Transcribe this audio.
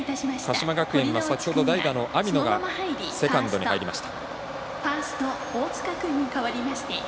鹿島学園は先ほど代打の網野がセカンドに入りました。